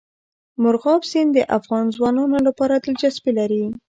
مورغاب سیند د افغان ځوانانو لپاره دلچسپي لري.